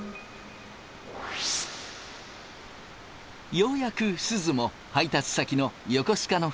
ようやくすずも配達先の横須賀の棚に到着。